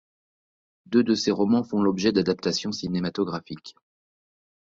Deux de ses romans font l'objet d'adaptations cinématographiques.